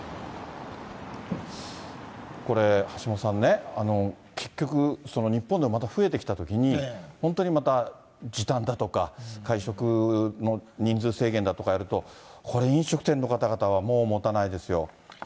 これ、橋下さんね、結局日本でもまた増えてきたときに、本当にまた時短だとか、会食の人数制限だとかやると、これ、飲食店の方々はもうもたないですよ。